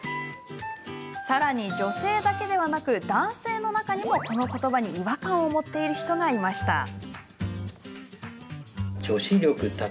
さらに女性だけではなく男性の中にも、このことばに違和感を持っている人がいました。